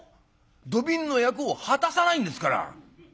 土瓶の役を果たさないんですから」。